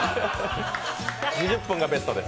２０分がベストです。